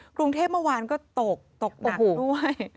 เมื่อวานก็ตกตกหนักด้วย